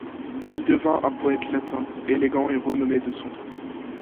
Il devint un poète latin élégant et renommé de son temps.